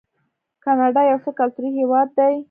کاناډا یو څو کلتوری هیواد دی.